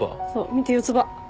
見て四つ葉。